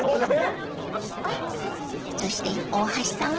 ［そして大橋さんは？］